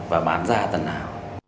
và bán ra tần nào